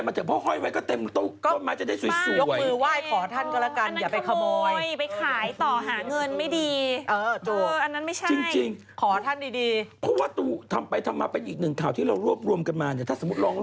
บางอย่างจะเลยรู้เลยว่าของของของ